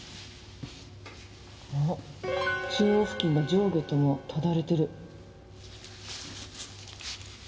あ中央付近が上下ともただれてる。